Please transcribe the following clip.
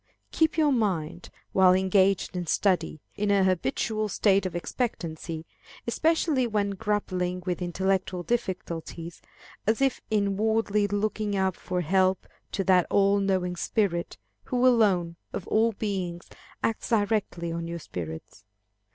Keep your mind, while engaged in study, in a habitual state of expectancy, especially when grappling with intellectual difficulties, as if inwardly looking up for help to that all knowing Spirit, who alone, of all beings, acts directly on our spirits.